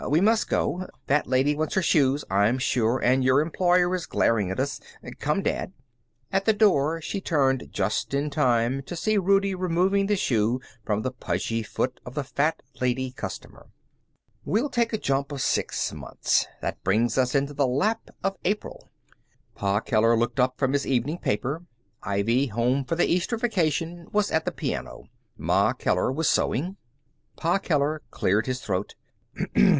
We must go. That lady wants her shoes, I'm sure, and your employer is glaring at us. Come, dad." At the door she turned just in time to see Rudie removing the shoe from the pudgy foot of the fat lady customer. We'll take a jump of six months. That brings us into the lap of April. Pa Keller looked up from his evening paper. Ivy, home for the Easter vacation, was at the piano. Ma Keller was sewing. Pa Keller cleared his throat.